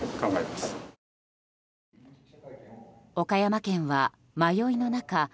岡山県は迷いの中